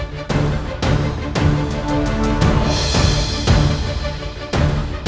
putraku bangun ya